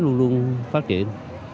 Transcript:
luôn luôn phát triển